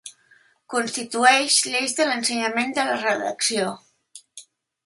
Constitueix l'eix de l'ensenyament de la redacció.